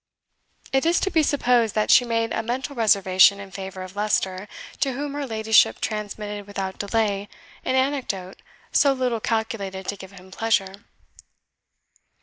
It is to be supposed that she made a mental reservation in favour of Leicester, to whom her ladyship transmitted without delay an anecdote so little calculated to give him pleasure.